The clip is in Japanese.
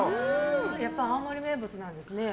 やっぱり青森名物なんですね。